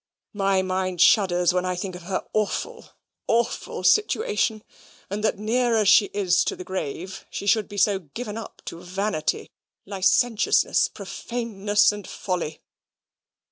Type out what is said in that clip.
My mind shudders when I think of her awful, awful situation, and that, near as she is to the grave, she should be so given up to vanity, licentiousness, profaneness, and folly."